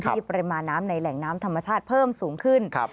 ปริมาณน้ำในแหล่งน้ำธรรมชาติเพิ่มสูงขึ้น